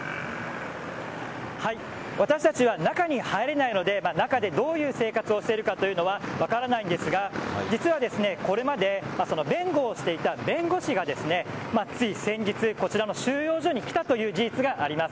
私たちは中に入れないので中でどういう生活をしているかというのは分からないんですが実は、これまで弁護をしていた弁護士がつい先日、こちらの収容所に来たという事実があります。